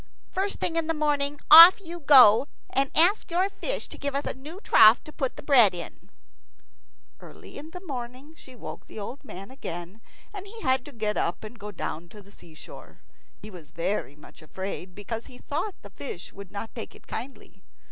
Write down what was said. First thing in the morning off you go, and ask your fish to give us a new trough to put the bread in." Early in the morning she woke the old man again, and he had to get up and go down to the seashore. He was very much afraid, because he thought the fish would not take it kindly.